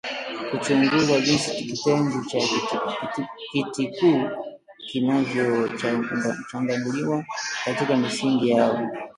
Kuchunguza jinsi kitenzi cha Kitikuu kinavyochanganuliwa katika misingi yao